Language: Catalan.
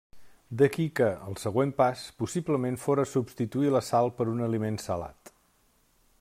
D'aquí que, el següent pas, possiblement fóra substituir la sal per un aliment salat.